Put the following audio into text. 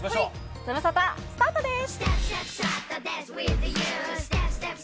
ズムサタスタートです。